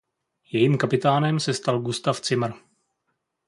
Jejím kapitánem se stal Gustav Zimmer.